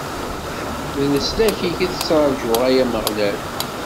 D leslak-ik i ttṛaǧuɣ, ay Ameɣlal!